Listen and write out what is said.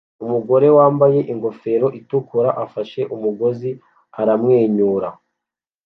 Umugore wambaye ingofero itukura afashe umugozi aramwenyura